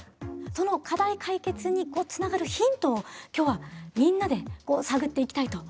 その課題解決につながるヒントを今日はみんなで探っていきたいというふうに思います。